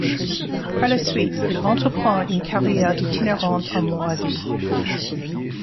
Par la suite, il entreprend une carrière itinérante en Moravie.